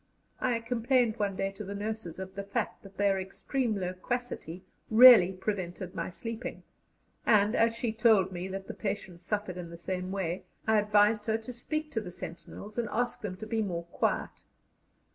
I complained one day to the nurses of the fact that their extreme loquacity really prevented my sleeping, and, as she told me that the patients suffered in the same way, I advised her to speak to the sentinels and ask them to be more quiet.